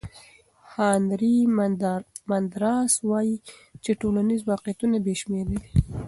هانري مندراس وایي چې ټولنیز واقعیتونه بې شمېره دي.